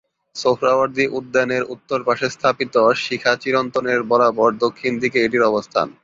সোহরাওয়ার্দী উদ্যানের উত্তর পাশে স্থাপিত শিখা চিরন্তন-এর বরাবর দক্ষিণ দিকে এটির অবস্থান।